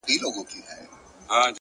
پوه انسان د زده کړې لاره نه پرېږدي!.